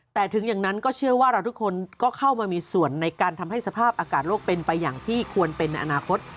แต่ถึงอย่างนั้นก็เชื่อว่าเราทุกคนก็เข้ามามีส่วนในการทำให้สภาพอากาศโลกเป็นไปอย่างที่ควรเป็นในอนาคต